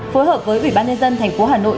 phối hợp với ủy ban nhân dân thành phố hà nội